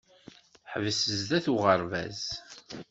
Ḥbes sdat uɣerbaz.